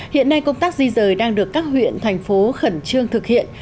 hiện nay công tác di rời đang được các huyện thành phố khẩn trương thực hiện